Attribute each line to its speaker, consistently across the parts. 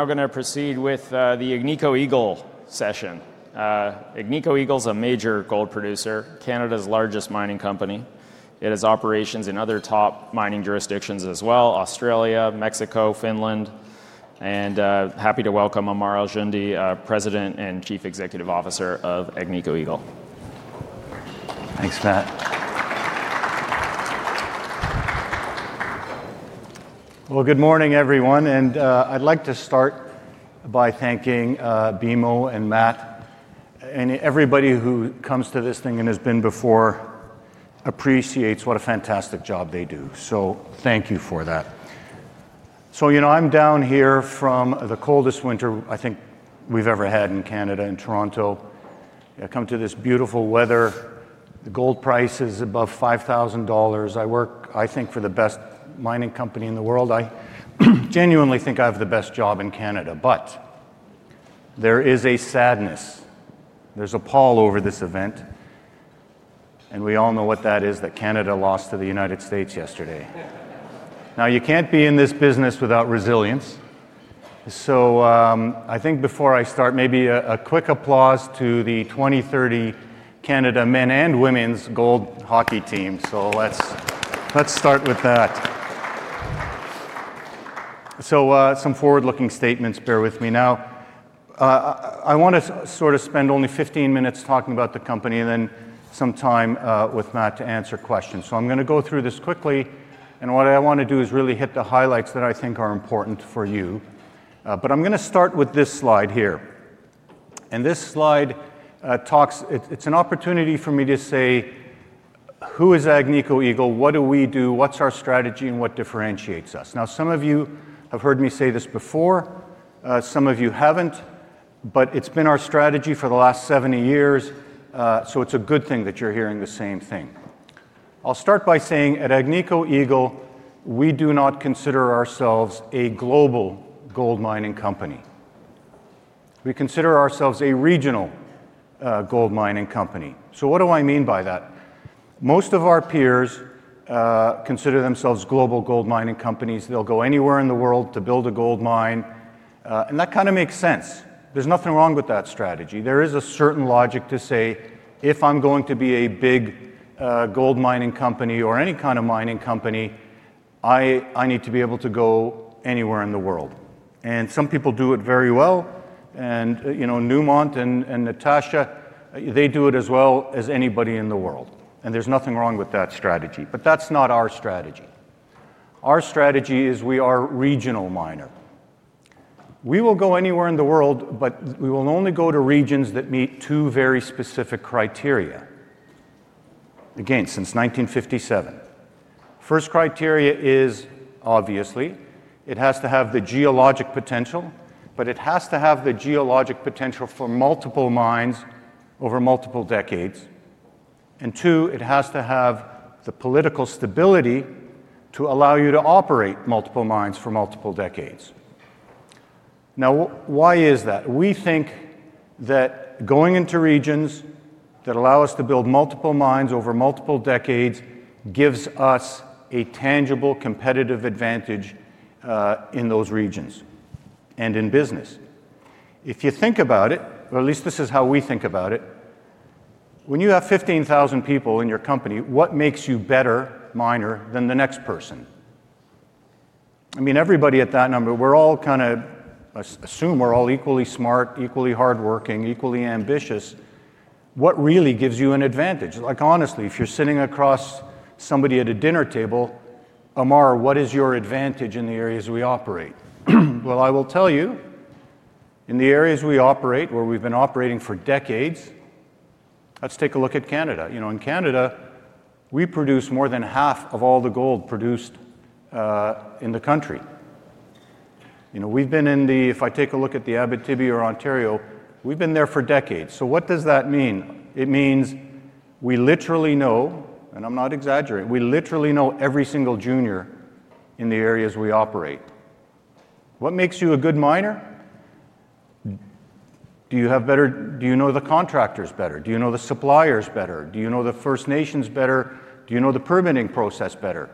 Speaker 1: now we're going to proceed with the Agnico Eagle session. Agnico Eagle is a major gold producer, Canada's largest mining company. It has operations in other top mining jurisdictions as well: Australia, Mexico, Finland. happy to welcome Ammar Al-Joundi, President and Chief Executive Officer of Agnico Eagle.
Speaker 2: Thanks, Matt. Well, good morning, everyone, and I'd like to start by thanking BMO and Matt, and everybody who comes to this thing and has been before appreciates what a fantastic job they do. Thank you for that. You know, I'm down here from the coldest winter I think we've ever had in Canada, in Toronto. I come to this beautiful weather. The gold price is above $5,000. I work, I think, for the best mining company in the world. I genuinely think I have the best job in Canada, there is a sadness. There's a pall over this event, we all know what that is, that Canada lost to the United States yesterday. You can't be in this business without resilience. I think before I start, maybe a quick applause to the 2030 Canada men and women's gold hockey team. Let's- let's start with that. Some forward-looking statements, bear with me. I sort of spend only 15 minutes talking about the company and then some time with Matt to answer questions. I'm gonna go through this quickly, and what I wanna do is really hit the highlights that I think are important for you. I'm gonna start with this slide here. This slide talks. It's an opportunity for me to say, who is Agnico Eagle? What do we do? What's our strategy, and what differentiates us? Some of you have heard me say this before, some of you haven't, but it's been our strategy for the last 70 years, so it's a good thing that you're hearing the same thing. I'll start by saying, at Agnico Eagle, we do not consider ourselves a global gold mining company. We consider ourselves a regional, gold mining company. What do I mean by that? Most of our peers, consider themselves global gold mining companies. They'll go anywhere in the world to build a gold mine, and that kinda makes sense. There's nothing wrong with that strategy. There is a certain logic to say, "If I'm going to be a big, gold mining company or any kind of mining company, I, I need to be able to go anywhere in the world." Some people do it very well. You know, Newmont and, and Natasha, they do it as well as anybody in the world, and there's nothing wrong with that strategy. That's not our strategy. Our strategy is we are a regional miner. We will go anywhere in the world, but we will only go to regions that meet two very specific criteria. Again, since 1957. First criteria is, obviously, it has to have the geologic potential, but it has to have the geologic potential for multiple mines over multiple decades. Two, it has to have the political stability to allow you to operate multiple mines for multiple decades. Why is that? We think that going into regions that allow us to build multiple mines over multiple decades gives us a tangible, competitive advantage in those regions and in business. If you think about it, or at least this is how we think about it, when you have 15,000 people in your company, what makes you better miner than the next person? I mean, everybody at that number, we're all kinda assume we're all equally smart, equally hardworking, equally ambitious. What really gives you an advantage? Like, honestly, if you're sitting across somebody at a dinner table, "Ammar, what is your advantage in the areas we operate?" Well, I will tell you, in the areas we operate, where we've been operating for decades. Let's take a look at Canada. You know, in Canada, we produce more than half of all the gold produced in the country. You know, we've been if I take a look at the Abitibi or Ontario, we've been there for decades. What does that mean? It means we literally know, and I'm not exaggerating, we literally know every single junior in the areas we operate. What makes you a good miner? Do you know the contractors better? Do you know the suppliers better? Do you know the First Nations better? Do you know the permitting process better?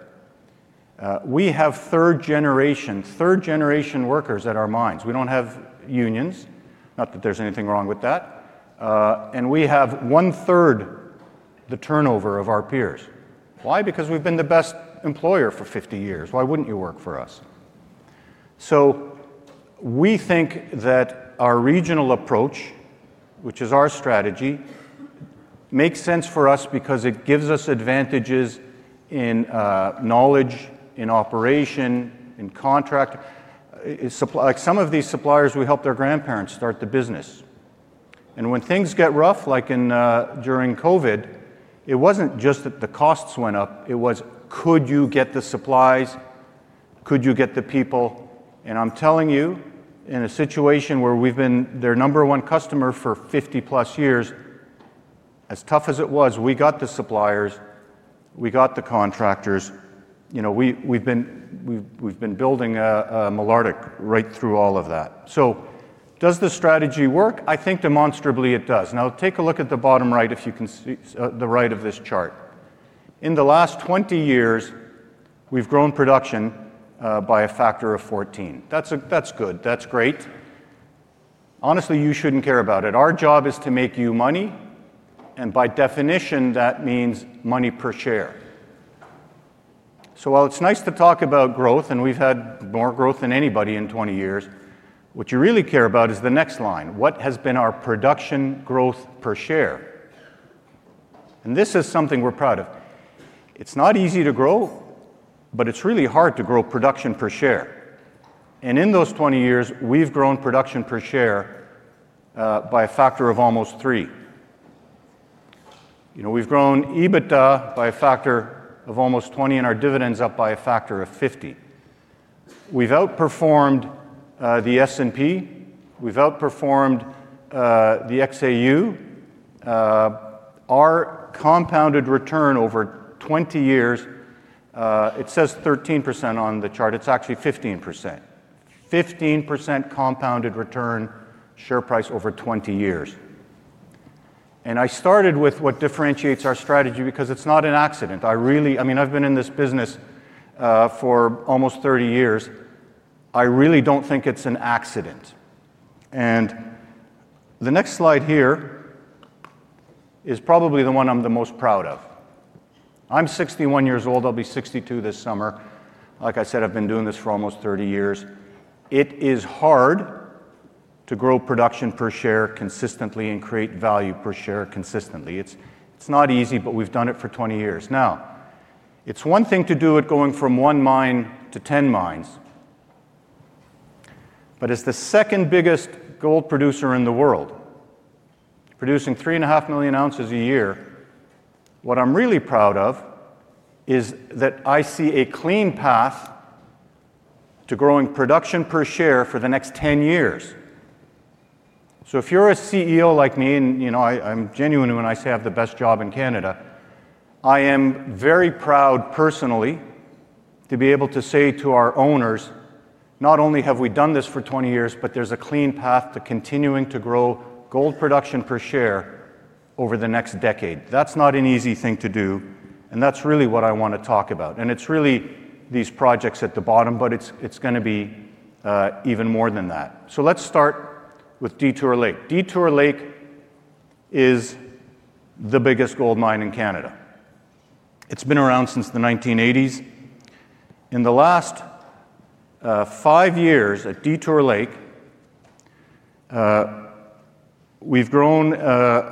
Speaker 2: We have third generation, third-generation workers at our mines. We don't have unions, not that there's anything wrong with that. We have one-third the turnover of our peers. Why? Because we've been the best employer for 50 years. Why wouldn't you work for us? We think that our regional approach, which is our strategy, makes sense for us because it gives us advantages in knowledge, in operation, in contract. Some of these suppliers, we helped their grandparents start the business. When things get rough, like in, during COVID, it wasn't just that the costs went up, it was: Could you get the supplies? Could you get the people? I'm telling you, in a situation where we've been their number one customer for 50+ years, as tough as it was, we got the suppliers, we got the contractors. You know, we, we've been, we've, we've been building, Malartic right through all of that. Does this strategy work? I think demonstrably it does. Take a look at the bottom right, if you can see, the right of this chart. In the last 20 years, we've grown production, by a factor of 14. That's good. That's great. Honestly, you shouldn't care about it. Our job is to make you money, and by definition, that means money per share. While it's nice to talk about growth, and we've had more growth than anybody in 20 years, what you really care about is the next line: what has been our production growth per share? This is something we're proud of. It's not easy to grow, but it's really hard to grow production per share. In those 20 years, we've grown production per share by a factor of almost three. You know, we've grown EBITDA by a factor of almost 20, and our dividend's up by a factor of 50. We've outperformed the S&P. We've outperformed the XAU. Our compounded return over 20 years, it says 13% on the chart, it's actually 15%. 15% compounded return share price over 20 years. I started with what differentiates our strategy because it's not an accident. I mean, I've been in this business for almost 30 years. I really don't think it's an accident. The next slide here is probably the one I'm the most proud of. I'm 61 years old. I'll be 62 years this summer. Like I said, I've been doing this for almost 30 years. It is hard to grow production per share consistently and create value per share consistently. It's not easy, but we've done it for 20 years. It's one thing to do it going from one mine to 10 mines, but as the second biggest gold producer in the world, producing 3.5 million ounces a year, what I'm really proud of is that I see a clean path to growing production per share for the next 10 years. If you're a CEO like me, and, you know, I'm genuine when I say I have the best job in Canada, I am very proud personally, to be able to say to our owners, "Not only have we done this for 20 years, but there's a clean path to continuing to grow gold production per share over the next decade." That's not an easy thing to do, and that's really what I want to talk about. It's really these projects at the bottom, but it's, it's gonna be even more than that. Let's start with Detour Lake. Detour Lake is the biggest gold mine in Canada. It's been around since the 1980s. In the last five years at Detour Lake, we've grown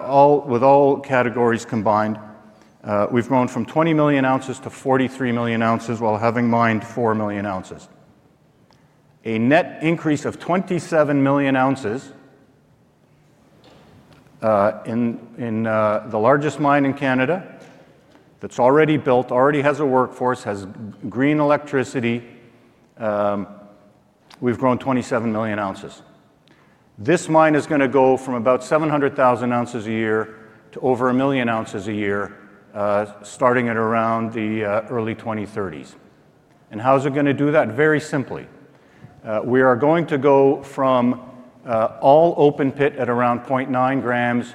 Speaker 2: all... with all categories combined, we've grown from 20 million ounces to 43 million ounces while having mined 4 million ounces. A net increase of 27 million ounces in, in, the largest mine in Canada, that's already built, already has a workforce, has green electricity. We've grown 27 million ounces. This mine is gonna go from about 700,000 ounces a year to over 1 million ounces a year, starting at around the early 2030s. How is it gonna do that? Very simply. We are going to go from all open pit at around 0.9 grams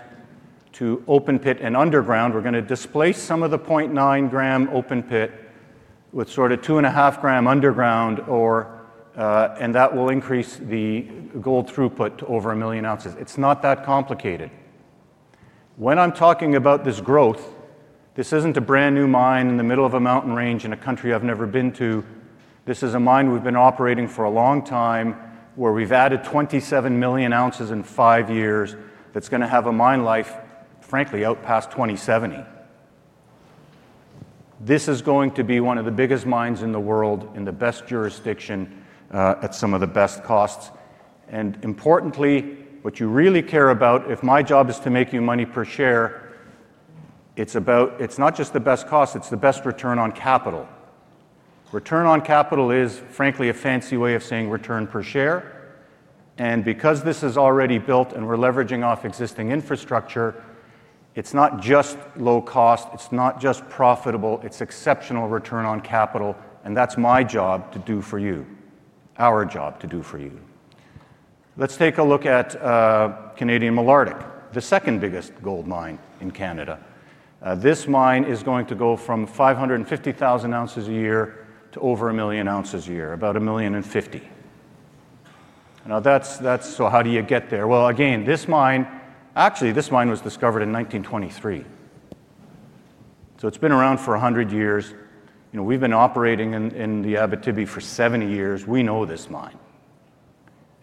Speaker 2: to open pit and underground. We're gonna displace some of the 0.9 gram open pit with sort of 2.5 gram underground ore, and that will increase the gold throughput to over 1 million ounces. It's not that complicated. When I'm talking about this growth, this isn't a brand-new mine in the middle of a mountain range in a country I've never been to. This is a mine we've been operating for a long time, where we've added 27 million ounces in five years, that's gonna have a mine life, frankly, out past 2070. This is going to be one of the biggest mines in the world, in the best jurisdiction, at some of the best costs. Importantly, what you really care about, if my job is to make you money per share, it's not just the best cost, it's the best return on capital. Return on capital is, frankly, a fancy way of saying return per share. Because this is already built, and we're leveraging off existing infrastructure, it's not just low cost, it's not just profitable, it's exceptional return on capital, and that's my job to do for you, our job to do for you. Let's take a look at Canadian Malartic, the second biggest gold mine in Canada. This mine is going to go from 550,000 ounces a year to over 1 million ounces a year, about 1,050,000. That's, that's how do you get there? Well, again, this mine actually, this mine was discovered in 1923, so it's been around for 100 years. You know, we've been operating in, in the Abitibi for 70 years. We know this mine.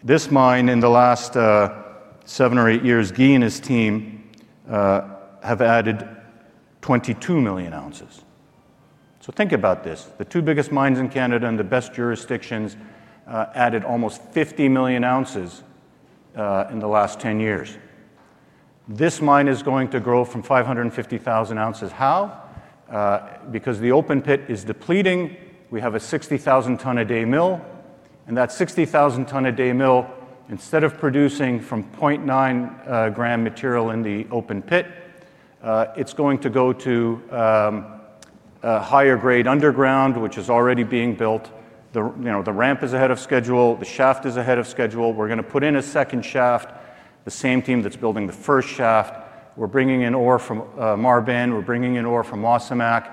Speaker 2: This mine, in the last seven or eight years, Guy and his team have added 22 million ounces. Think about this: the two biggest mines in Canada and the best jurisdictions, added almost 50 million ounces in the last 10 years. This mine is going to grow from 550,000 ounces. How? Because the open pit is depleting, we have a 60,000 ton a day mill, and that 60,000 ton a day mill, instead of producing from 0.9 gram material in the open pit, it's going to go to a higher grade underground, which is already being built. You know, the ramp is ahead of schedule, the shaft is ahead of schedule. We're gonna put in a second shaft. The same team that's building the first shaft. We're bringing in ore from Marban, we're bringing in ore from Wasamac.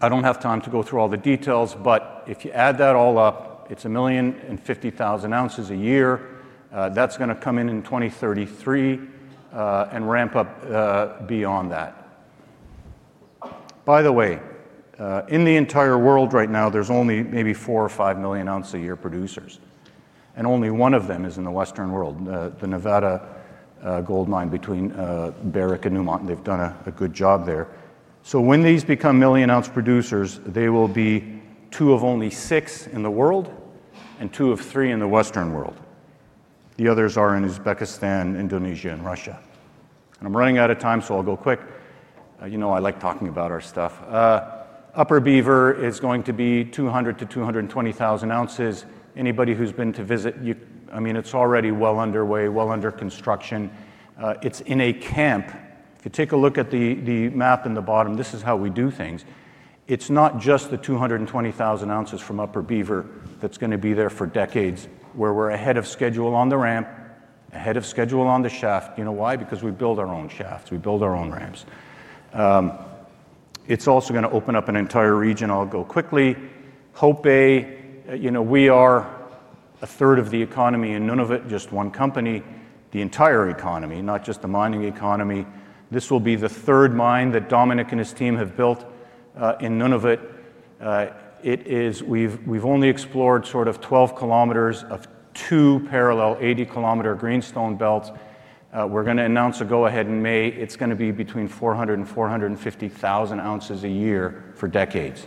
Speaker 2: I don't have time to go through all the details, but if you add that all up, it's 1,050,000 ounces a year. That's gonna come in in 2033 and ramp up beyond that. By the way, in the entire world right now, there's only maybe 4 or 5 million ounce a year producers, and only one of them is in the Western world, the Nevada Gold Mine between Barrick and Newmont, they've done a good job there. When these become million ounce producers, they will be two of only six in the world and two or three in the Western world. The others are in Uzbekistan, Indonesia and Russia. I'm running out of time, so I'll go quick. You know I like talking about our stuff. Upper Beaver is going to be 200,000 ounces-220,000 ounces. Anybody who's been to visit, I mean, it's already well underway, well under construction. It's in a camp. If you take a look at the, the map in the bottom, this is how we do things. It's not just the 220,000 ounces from Upper Beaver that's gonna be there for decades, where we're ahead of schedule on the ramp, ahead of schedule on the shaft. You know why? Because we build our own shafts, we build our own ramps. It's also gonna open up an entire region. I'll go quickly. Hope Bay, you know, we are a third of the economy, and Nunavut, just one company, the entire economy, not just the mining economy. This will be the third mine that Dominic and his team have built in Nunavut. we've only explored sort of 12 km of two parallel 80 kmgreenstone belts. we're gonna announce a go-ahead in May. It's gonna be between 400,000 ounces and 450,000 ounces a year for decades.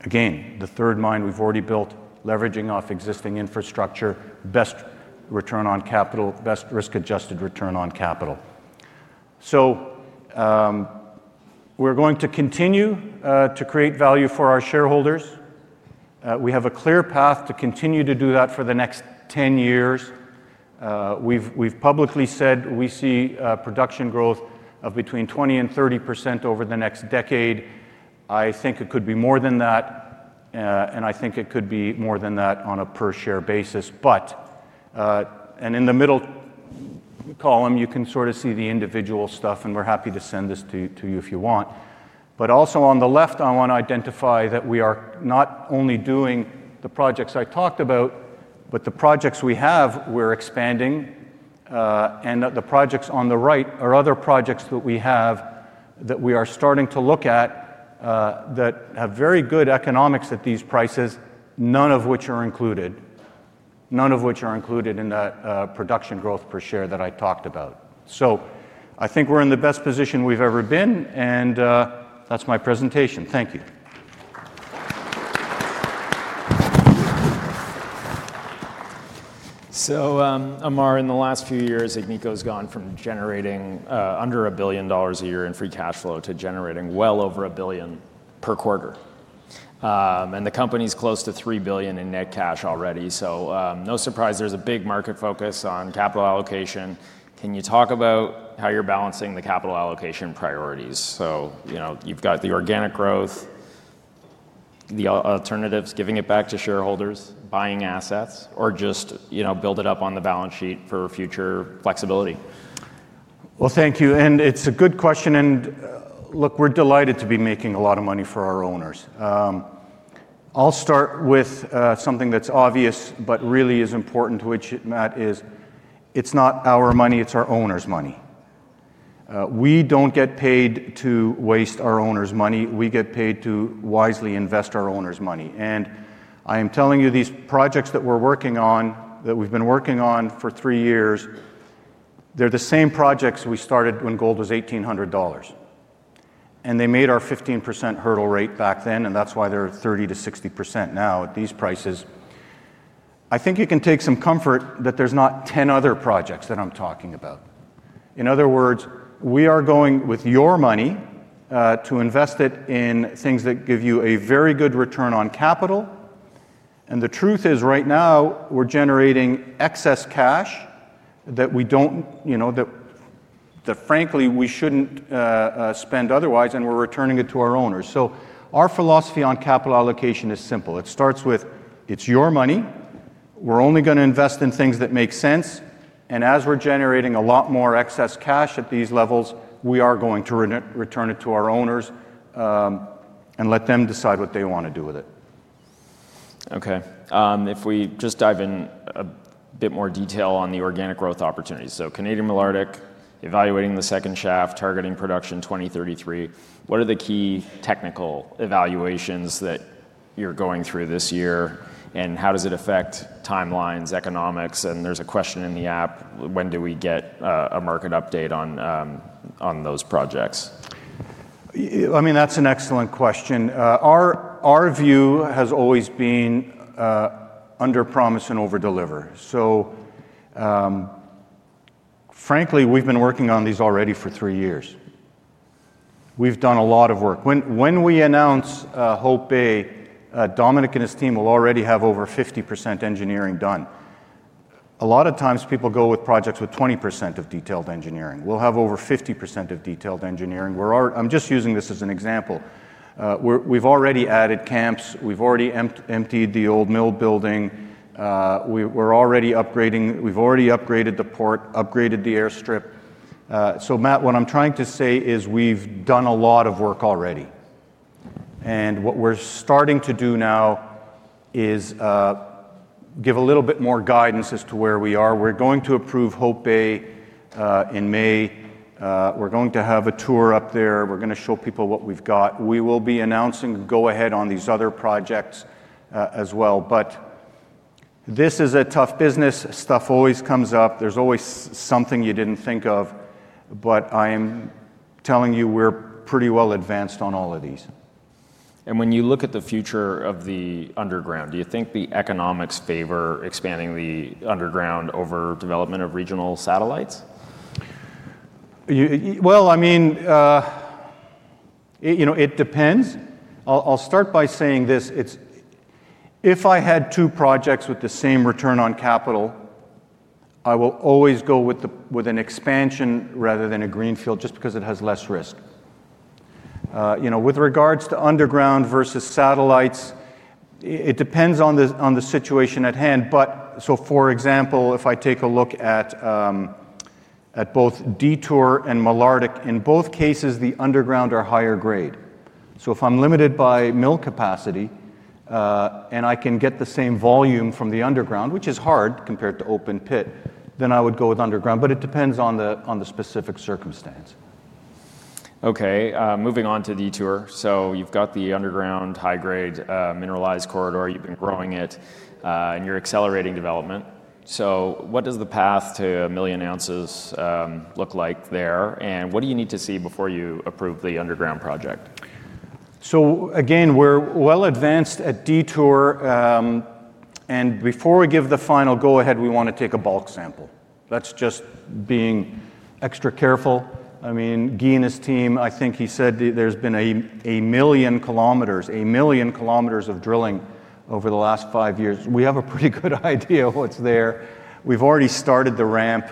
Speaker 2: Again, the third mine we've already built, leveraging off existing infrastructure, best return on capital, best risk-adjusted return on capital. we're going to continue to create value for our shareholders. we have a clear path to continue to do that for the next 10 years. we've publicly said we see production growth of between 20% and 30% over the next decade. I think it could be more than that, and I think it could be more than that on a per-share basis. In the middle column, you can sort of see the individual stuff, and we're happy to send this to, to you if you want. Also on the left, I want to identify that we are not only doing the projects I talked about, but the projects we have, we're expanding, and that the projects on the right are other projects that we have that we are starting to look at, that have very good economics at these prices, none of which are included, none of which are included in that production growth per share that I talked about. I think we're in the best position we've ever been, and that's my presentation. Thank you.
Speaker 1: Ammar, in the last few years, Agnico's gone from generating under a billion dollars a year in free cash flow to generating well over $1 billion per quarter. The company's close to $3 billion in net cash already. No surprise, there's a big market focus on capital allocation. Can you talk about how you're balancing the capital allocation priorities? You know, you've got the organic growth, the alternatives, giving it back to shareholders, buying assets, or just, you know, build it up on the balance sheet for future flexibility.
Speaker 2: Well, thank you, and it's a good question. Look, we're delighted to be making a lot of money for our owners. I'll start with something that's obvious but really is important, which, Matt, is it's not our money, it's our owners' money. We don't get paid to waste our owners' money. We get paid to wisely invest our owners' money. I am telling you, these projects that we're working on, that we've been working on for three years, they're the same projects we started when gold was $1,800. They made our 15% hurdle rate back then, and that's why they're at 30%-60% now at these prices. I think you can take some comfort that there's not 10 other projects that I'm talking about. In other words, we are going with your money to invest it in things that give you a very good return on capital. The truth is, right now, we're generating excess cash that we don't, you know, that frankly, we shouldn't spend otherwise, and we're returning it to our owners. Our philosophy on capital allocation is simple: it starts with, it's your money, we're only gonna invest in things that make sense, and as we're generating a lot more excess cash at these levels, we are going to re- return it to our owners, and let them decide what they want to do with it.
Speaker 1: Okay. If we just dive in a bit more detail on the organic growth opportunities. Canadian Malartic, evaluating the second shaft, targeting production 2033. What are the key technical evaluations that you're going through this year, and how does it affect timelines, economics? There's a question in the app: When do we get a market update on those projects?
Speaker 2: I mean, that's an excellent question. Our, our view has always been, underpromise and overdeliver. Frankly, we've been working on these already for three years. We've done a lot of work. When, when we announce Hope Bay, Dominic and his team will already have over 50% engineering done. A lot of times, people go with projects with 20% of detailed engineering. We'll have over 50% of detailed engineering. I'm just using this as an example. We've already added camps, we've already emptied the old mill building, we've already upgraded the port, upgraded the airstrip. Matt, what I'm trying to say is we've done a lot of work already, and what we're starting to do now is give a little bit more guidance as to where we are. We're going to approve Hope Bay in May. We're going to have a tour up there. We're gonna show people what we've got. We will be announcing the go-ahead on these other projects as well. This is a tough business. Stuff always comes up. There's always something you didn't think of, but I'm telling you, we're pretty well advanced on all of these.
Speaker 1: When you look at the future of the underground, do you think the economics favor expanding the underground over development of regional satellites?
Speaker 2: Well, I mean, you know, it depends. I'll start by saying this: it's if I had two projects with the same return on capital, I will always go with the, with an expansion rather than a greenfield, just because it has less risk. You know, with regards to underground versus satellites, it depends on the situation at hand. For example, if I take a look at both Detour and Malartic, in both cases, the underground are higher grade. If I'm limited by mill capacity, and I can get the same volume from the underground, which is hard compared to open pit, then I would go with underground, but it depends on the specific circumstance.
Speaker 1: Okay, moving on to Detour. You've got the underground, high-grade, mineralized corridor, you've been growing it, and you're accelerating development. What does the path to 1 million ounces look like there, and what do you need to see before you approve the underground project?
Speaker 2: Again, we're well advanced at Detour, and before we give the final go-ahead, we wanna take a bulk sample. That's just being extra careful. I mean, Guy and his team, I think he said there's been a, a million kilometers of drilling over the last five years. We have a pretty good idea of what's there. We've already started the ramp.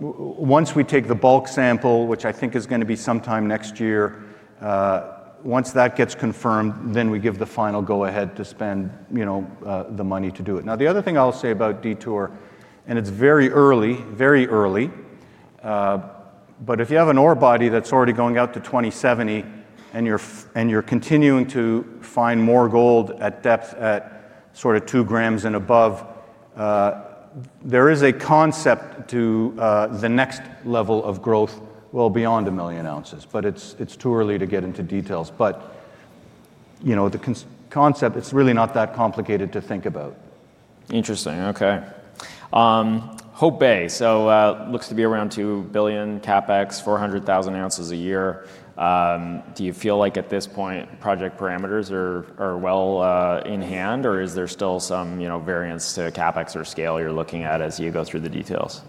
Speaker 2: Once we take the bulk sample, which I think is gonna be sometime next year, once that gets confirmed, then we give the final go-ahead to spend, you know, the money to do it. The other thing I'll say about Detour, and it's very early, very early, but if you have an ore body that's already going out to 2070, and you're and you're continuing to find more gold at depth at sort of 2 grams and above, there is a concept to the next level of growth well beyond 1 million ounces, it's, it's too early to get into details. you know, the concept, it's really not that complicated to think about.
Speaker 1: Interesting. Okay. Hope Bay looks to be around $2 billion CapEx, 400,000 ounces a year. Do you feel like at this point, project parameters are, are well in hand, or is there still some, you know, variance to CapEx or scale you're looking at as you go through the details?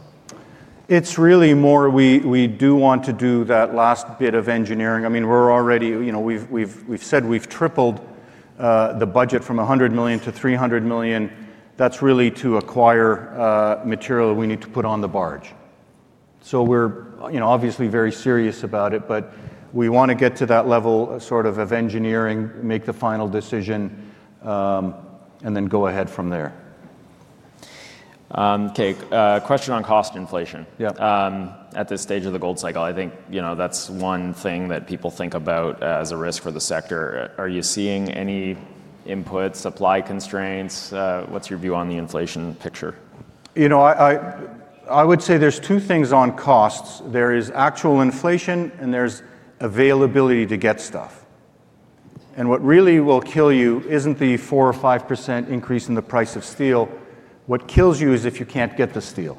Speaker 2: It's really more we, we do want to do that last bit of engineering. I mean, we're already... You know, we've, we've, we've said we've tripled, the budget from $100 million to $300 million. That's really to acquire, material we need to put on the barge. We're, you know, obviously very serious about it, but we wanna get to that level sort of engineering, make the final decision, and then go ahead from there.
Speaker 1: Okay. Question on cost inflation.
Speaker 2: Yeah.
Speaker 1: At this stage of the gold cycle, I think, you know, that's one thing that people think about as a risk for the sector. Are you seeing any input, supply constraints? What's your view on the inflation picture?
Speaker 2: You know, I would say there's two things on costs. There is actual inflation, and there's availability to get stuff. What really will kill you isn't the 4% or 5% increase in the price of steel, what kills you is if you can't get the steel.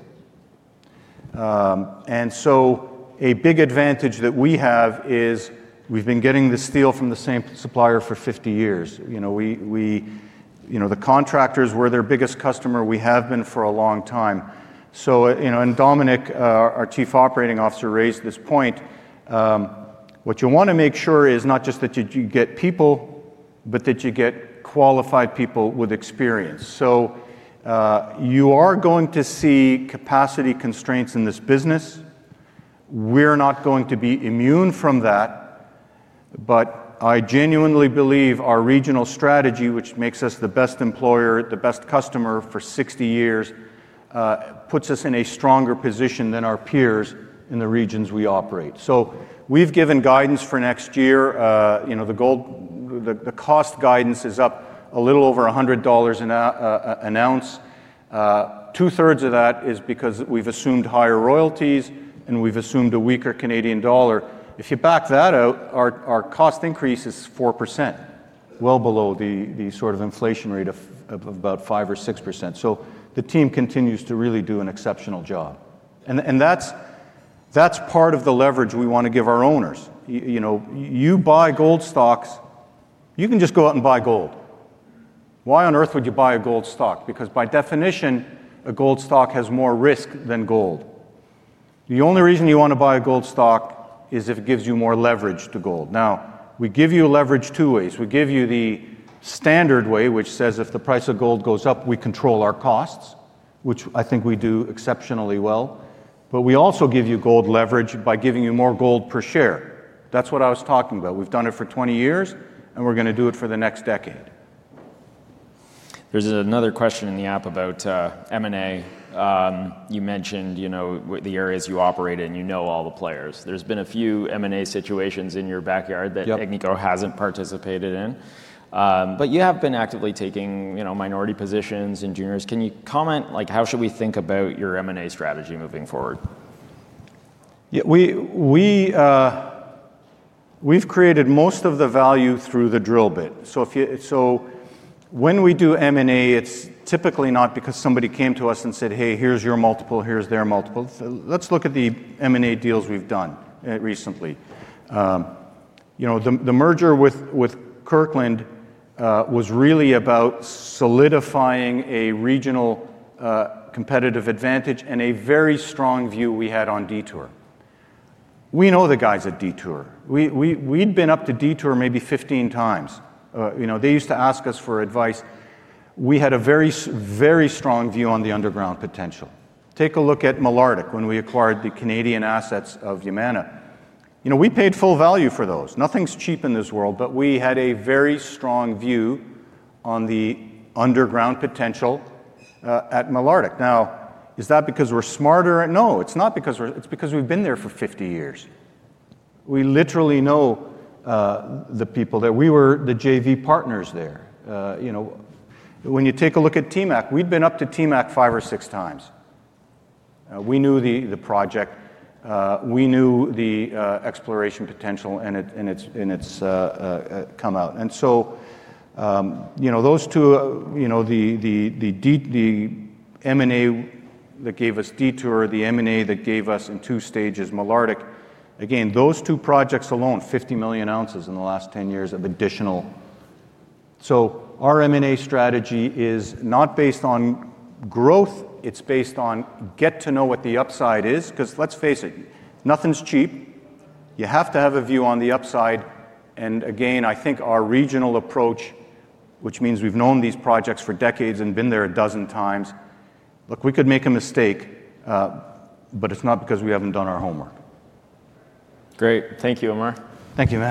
Speaker 2: A big advantage that we have is we've been getting the steel from the same supplier for 50 years. You know, the contractors, we're their biggest customer. We have been for a long time. You know, and Dominic, our chief operating officer, raised this point: what you wanna make sure is not just that you get people, but that you get qualified people with experience. You are going to see capacity constraints in this business. We're not going to be immune from that, but I genuinely believe our regional strategy, which makes us the best employer, the best customer for 60 years, puts us in a stronger position than our peers in the regions we operate. We've given guidance for next year. You know, the gold, the, the cost guidance is up a little over 100 dollars an ounce. Two-thirds of that is because we've assumed higher royalties, and we've assumed a weaker Canadian dollar. If you back that out, our, our cost increase is 4%, well below the, the sort of inflation rate of, of about 5% or 6%. The team continues to really do an exceptional job, and, and that's, that's part of the leverage we wanna give our owners. You know, you buy gold stocks. You can just go out and buy gold. Why on earth would you buy a gold stock? By definition, a gold stock has more risk than gold. The only reason you want to buy a gold stock is if it gives you more leverage to gold. We give you leverage two ways. We give you the standard way, which says if the price of gold goes up, we control our costs, which I think we do exceptionally well, but we also give you gold leverage by giving you more gold per share. That's what I was talking about. We've done it for 20 years, and we're gonna do it for the next decade.
Speaker 1: There's another question in the app about M&A. You mentioned, you know, the areas you operate in, you know all the players. There's been a few M&A situations in your backyard that Agnico hasn't participated in. You have been actively taking, you know, minority positions in juniors. Can you comment, like, how should we think about your M&A strategy moving forward?
Speaker 2: Yeah, we, we, we've created most of the value through the drill bit. When we do M&A, it's typically not because somebody came to us and said, "Hey, here's your multiple, here's their multiple." Let's look at the M&A deals we've done recently. You know, the, the merger with, with Kirkland Lake Gold was really about solidifying a regional competitive advantage and a very strong view we had on Detour. We know the guys at Detour. We'd been up to Detour maybe 15 times. You know, they used to ask us for advice. We had a very strong view on the underground potential. Take a look at Malartic, when we acquired the Canadian assets of Yamana Gold. You know, we paid full value for those. Nothing's cheap in this world, we had a very strong view on the underground potential at Malartic. Now, is that because we're smarter? No, it's not because it's because we've been there for 50 years. We literally know the people there. We were the JV partners there. You know, when you take a look at TMAC, we'd been up to TMAC five or six times. We knew the, the project, we knew the exploration potential and it, and its, and its, come out. You know, those two, you know, the, the, the M&A that gave us Detour, the M&A that gave us, in two stages, Malartic, again, those two projects alone, 50 million ounces in the last 10 years of additional... Our M&A strategy is not based on growth, it's based on get to know what the upside is. Cause let's face it, nothing's cheap. You have to have a view on the upside, again, I think our regional approach, which means we've known these projects for decades and been there 12 times. Look, we could make a mistake, but it's not because we haven't done our homework.
Speaker 1: Great. Thank you, Ammar.
Speaker 2: Thank you, Matt.